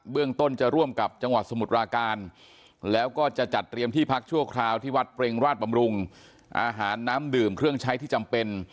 เรื่องต้นจะร่วมกับจังหวัดสมุทรปราการแล้วก็จะจัดเตรียมที่พักชั่วคราวที่วัดเปรงราชบำรุงอาหารน้ำดื่มเครื่องใช้ที่จำเป็น